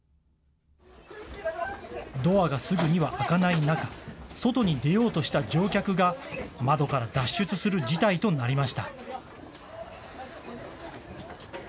ドアがすぐには開かない中、外に出ようとした乗客が、窓から脱出する事態となりました。